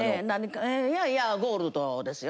いやゴールドですよ。